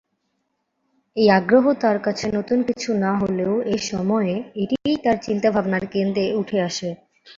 এই আগ্রহ তার কাছে নতুন কিছু না হলেও এই সময়ে এটিই তার চিন্তাভাবনার কেন্দ্রে উঠে আসে।